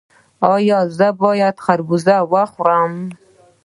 ایا زه باید خربوزه وخورم؟